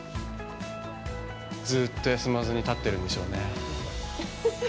ずうっと休まずに立っているんでしょうね。